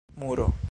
muro